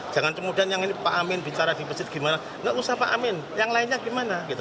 jangan kemudian yang ini pak amin bicara di masjid gimana gak usah pak amin yang lainnya gimana gitu